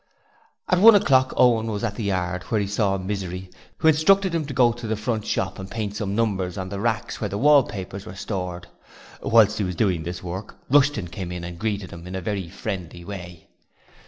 At one o'clock Owen was at the yard, where he saw Misery, who instructed him to go to the front shop and paint some numbers on the racks where the wallpapers were stored. Whilst he was doing this work Rushton came in and greeted him in a very friendly way.